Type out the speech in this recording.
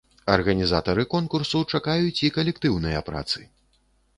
Арганізатары конкурсу чакаюць і калектыўныя працы!